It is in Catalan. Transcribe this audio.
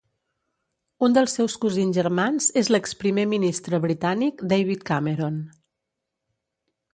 Un dels seus cosins germans és l'exprimer ministre britànic, David Cameron.